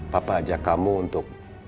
papa ajak kamu untuk